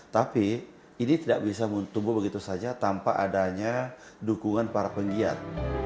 tapi ini tidak bisa tumbuh begitu saja tanpa adanya dukungan para penggiat